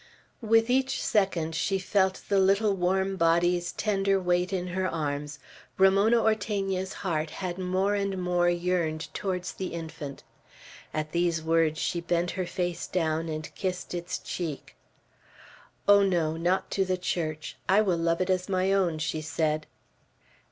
With each second that she felt the little warm body's tender weight in her arms, Ramona Ortegna's heart had more and more yearned towards the infant. At these words she bent her face down and kissed its cheek. "Oh, no! not to the Church! I will love it as my own," she said.